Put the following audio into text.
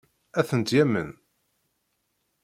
Ad tent-yamen?